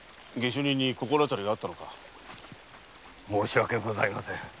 申し訳ございません。